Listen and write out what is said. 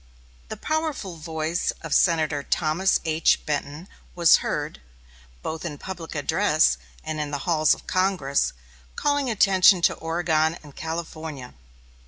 The powerful voice of Senator Thomas H. Benton was heard, both in public address and in the halls of Congress, calling attention to Oregon and California.